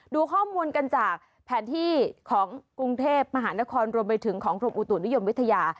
ดูข้อมูลกันจากแผนที่ของกรุงเทพมหานครรวมไปถึงของกรมอุตุนิยมวิทยา